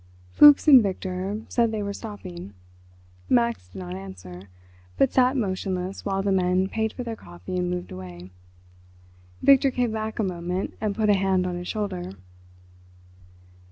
Fuchs and Victor said they were stopping—Max did not answer, but sat motionless while the men paid for their coffee and moved away. Victor came back a moment and put a hand on his shoulder.